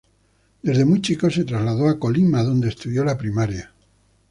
Desde muy chico se trasladó a Colima, donde estudió la primaria.